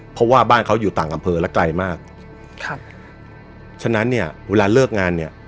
เพราะว่าบ้านเขาอยู่ต่างอำเภอและไกลมากครับฉะนั้นเนี่ยเวลาเลิกงานเนี่ย